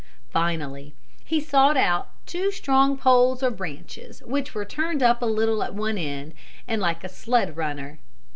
Finally, he sought out two strong poles or branches which were turned up a little at one end and like a sled runner.